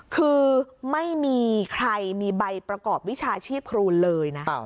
คือไม่มีใครมีใบประกอบวิชาชีพครูเลยนะ